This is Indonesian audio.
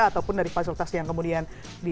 ataupun dari fasilitas yang kemudian